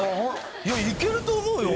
いやいけると思うよ